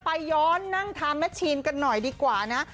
ไปย้อนนั่งทานแม่ชีนกันหน่อยดีกว่านะ